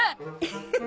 フフフ